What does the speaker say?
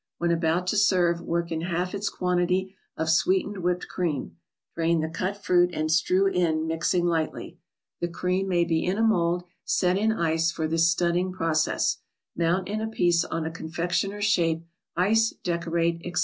When about to serve, work in half its quantity of sweetened whipped cream; drain the cut fruit, and strew in, mixing lightly. The cream may be in a mold, set in ice for this studding process. Mount in a piece on a confectioner's shape, ice, decorate, etc.